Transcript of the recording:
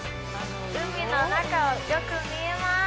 海の中を、よく見えます。